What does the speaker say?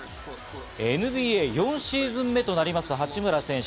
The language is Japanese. ＮＢＡ４シーズン目となる八村選手。